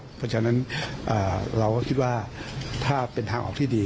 เพราะฉะนั้นเราก็คิดว่าถ้าเป็นทางออกที่ดี